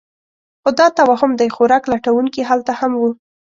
خو دا توهم دی؛ خوراک لټونکي هلته هم وو.